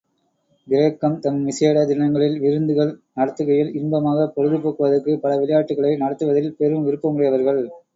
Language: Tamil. கிரேக்கர் தம் விசேட தினங்களில் விருந்துகள் நடத்துகையில் இன்பமாகப் பொழுது போக்குவதற்குப் பல விளையாட்டுக்களை நடத்துவதில் பெரு விருப்பமுடையவர்கள்.